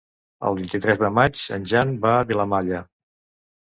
El vint-i-tres de maig en Jan va a Vilamalla.